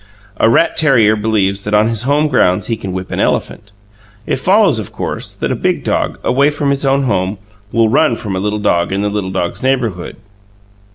A rat terrier believes that on his home grounds he can whip an elephant. It follows, of course, that a big dog, away from his own home, will run from a little dog in the little dog's neighbourhood.